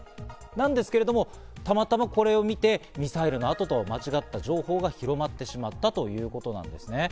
なんですけど、たまたまこれを見てミサイルの跡と間違った情報が広まってしまったということなんですね。